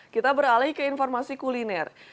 kita beralih ke informasi kuliner